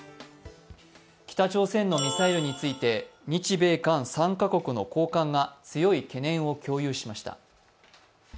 北朝鮮のミサイルについて日米韓３カ国の高官が強い懸念を共有しました。